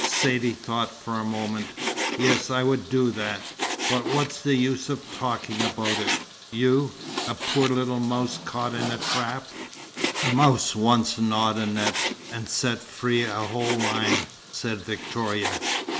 Saidee thought for a moment. "Yes. I would do that. But what's the use of talking about it? You! A poor little mouse caught in a trap!" "A mouse once gnawed a net, and set free a whole lion," said Victoria.